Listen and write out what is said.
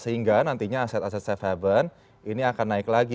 sehingga nantinya aset aset safe haven ini akan naik lagi